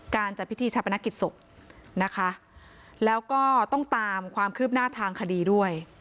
จัดพิธีชาปนกิจศพนะคะแล้วก็ต้องตามความคืบหน้าทางคดีด้วย